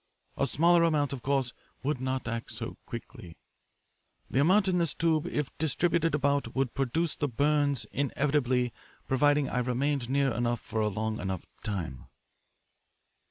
A smaller amount, of course, would not act so quickly. The amount in this tube, if distributed about, would produce the burns inevitably, providing I remained near enough for a long enough time."